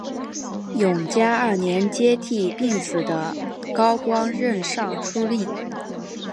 永嘉二年接替病死的高光任尚书令。